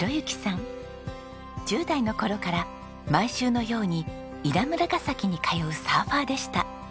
１０代の頃から毎週のように稲村ガ崎に通うサーファーでした。